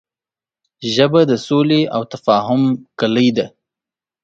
ژبه د سولې او تفاهم کلۍ ده